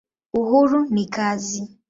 Uhuru ni kazi.